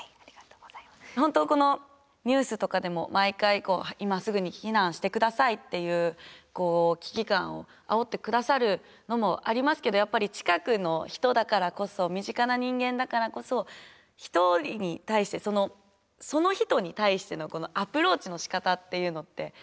本当このニュースとかでも毎回今すぐに避難して下さいっていうこう危機感をあおって下さるのもありますけどやっぱり近くの人だからこそ身近な人間だからこそ一人に対してそのその人に対してのアプローチのしかたっていうのって